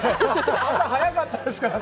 朝早かったですからね。